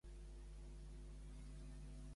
Qui va encarnar a l'obra Orfeu i Eurídice?